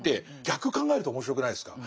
逆考えると面白くないですか？